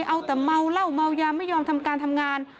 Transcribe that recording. เอาแต่เมาเหล้าเมายาไม่ยอมทำการทำงาน